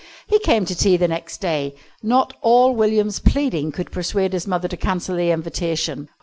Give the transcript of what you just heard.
He came to tea the next day. Not all William's pleading could persuade his mother to cancel the invitation.